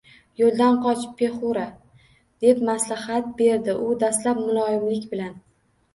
Yoʻldan qoch, Pexura, – deb maslahat berdi u dastlab muloyimlik bilan.